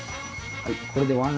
はい。